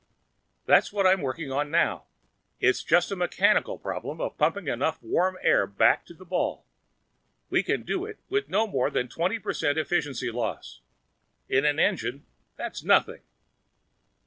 "That's what I'm working on now. It's just a mechanical problem of pumping enough warm air back to the ball. We can do it with no more than a twenty per cent efficiency loss. In an engine, that's nothing."